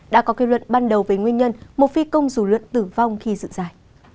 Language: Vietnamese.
đã có kết luận ban đầu về nguyên nhân một phi công dù lượn tử vong khi dự giải